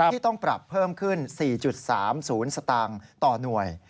ที่ต้องปรับเพิ่มขึ้น๔๓๐สตางค์ต่อหน่วย